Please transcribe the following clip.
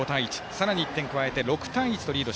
さらに１点加えて６対１とリード。